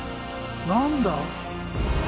何だ？